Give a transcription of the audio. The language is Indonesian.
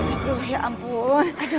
aduh ya ampun